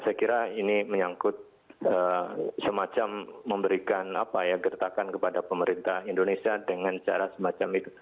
saya kira ini menyangkut semacam memberikan gertakan kepada pemerintah indonesia dengan cara semacam itu